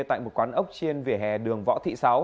tại một quán ốc trên vỉa hè đường võ thị sáu